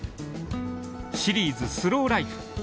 「シリーズスローライフ」。